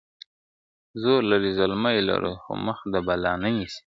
زور لرو زلمي لرو خو مخ د بلا نه نیسي ..